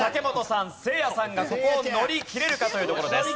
せいやさんがここを乗り切れるかというところです。